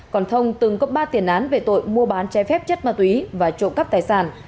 còn thông từng có ba tiền án về tội mua bán trái phép chất ma túy và trộm cắp tài sản